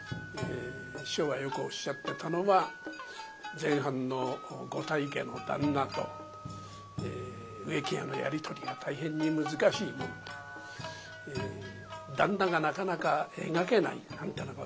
師匠がよくおっしゃってたのは前半のご大家の旦那と植木屋のやり取りが大変に難しいもんで「旦那がなかなか描けない」なんてなことを師匠もよく言っておりました。